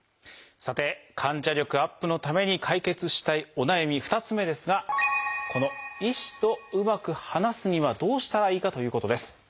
さて患者力アップのために解決したいお悩み２つ目ですがこの「医師とうまく話すにはどうしたらいいか？」ということです。